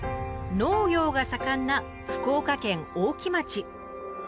農業が盛んな福岡県大木町。